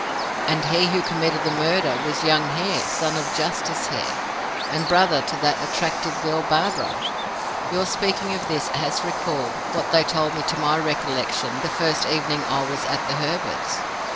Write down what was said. "And he who committed the murder was young Hare, son of Justice Hare, and brother to that attractive girl, Barbara. Your speaking of this has recalled, what they told me to my recollection, the first evening I was at the Herberts.